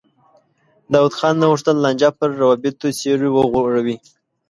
داود خان نه غوښتل لانجه پر روابطو سیوری وغوړوي.